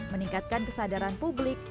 meningkatkan kesadaran publik